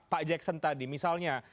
pak jackson tadi misalnya